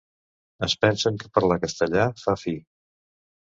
Es pensen que parlar castellà fa fi.